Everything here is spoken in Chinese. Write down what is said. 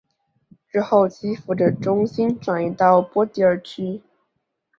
之后基辅的中心转移到波迪尔区。